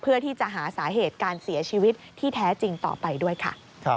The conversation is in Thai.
เพื่อที่จะหาสาเหตุการเสียชีวิตที่แท้จริงต่อไปด้วยค่ะ